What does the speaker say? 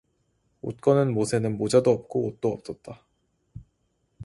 옷거는 못에는 모자도 없고 옷도 없었다.